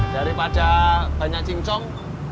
daripada banyak cincong